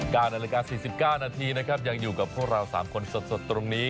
นาฬิกา๔๙นาทีนะครับยังอยู่กับพวกเราสามคนสดตรงนี้